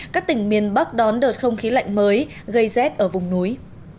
các tỉnh miền bắc đón đợt không khí lạnh mới gây rét ở vùng núi